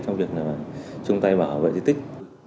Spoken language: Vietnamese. trong việc là chung tay bảo vệ di tích